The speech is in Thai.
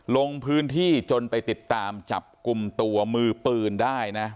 ลงพื้นที่จนไปติดตามจับกลุ่มตัวมือปืนได้นะ